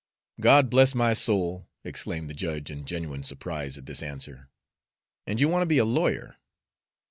"God bless my soul!" exclaimed the judge in genuine surprise at this answer; "and you want to be a lawyer!"